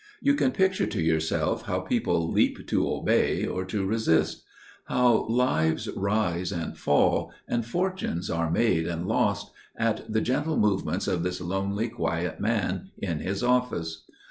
You can picture to yourself how people leap to obey or to resist––how lives rise and fall, and fortunes are made and lost, at the gentle movements of this lonely quiet man in his office.